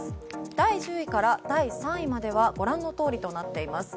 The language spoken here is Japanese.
第１０位から第３位まではご覧のとおりとなっています。